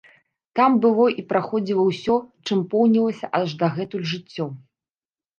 Там было і праходзіла ўсё, чым поўнілася аж дагэтуль жыццё.